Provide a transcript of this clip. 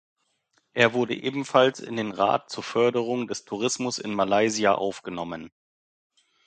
Er wurde ebenfalls in den Rat zur Förderung des Tourismus in Malaysia aufgenommen.